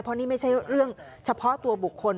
เพราะนี่ไม่ใช่เรื่องเฉพาะตัวบุคคล